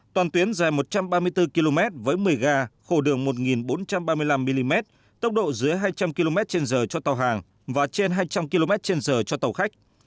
toàn tuyến dài một trăm ba mươi bốn km với một mươi ga khổ đường một bốn trăm ba mươi năm mm tốc độ dưới hai trăm linh km trên giờ cho tàu hàng và trên hai trăm linh km trên giờ cho tàu khách